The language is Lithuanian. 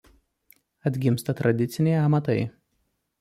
Atgimsta tradiciniai amatai.